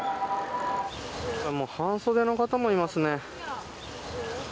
半袖の方もいますね。